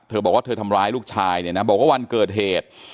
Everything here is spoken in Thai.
บอกว่าเธอทำร้ายลูกชายเนี่ยนะบอกว่าวันเกิดเหตุ